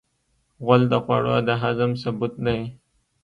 غول د خوړو د هضم ثبوت دی.